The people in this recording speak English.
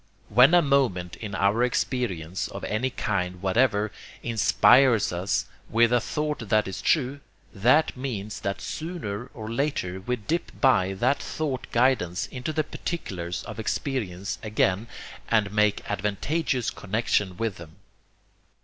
When a moment in our experience, of any kind whatever, inspires us with a thought that is true, that means that sooner or later we dip by that thought's guidance into the particulars of experience again and make advantageous connexion with them.